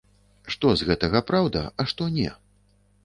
Што з гэтага праўда, а што не?